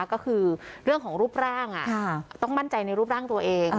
ก็คือเรื่องของรูปร่างต้องมั่นใจในรูปร่างตัวเอง